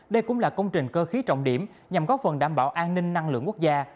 đây cũng là công trình cơ khí trọng điểm nhằm góp phần đảm bảo an ninh năng lượng quốc gia